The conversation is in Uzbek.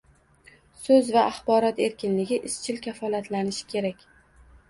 So'z va axborot erkinligi izchil kafolatlanishi kerak